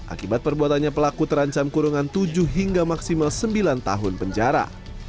akibat perbuatannya pelaku terancam kurungan tujuh hingga maksimal sembilan tahun penjara